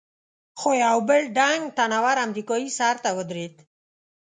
خو یو بل ډنګ، تن ور امریکایي سر ته ودرېد.